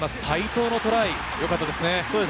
齋藤のトライ、よかったですね。